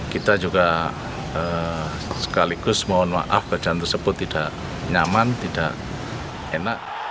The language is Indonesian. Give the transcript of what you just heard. kita juga sekaligus mohon maaf kejadian tersebut tidak nyaman tidak enak